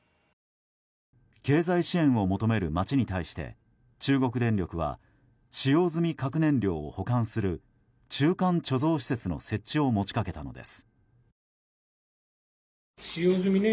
経済支援を求める町に対して中国電力は使用済み核燃料を保管する中間貯蔵施設の設置を持ちかけたのです。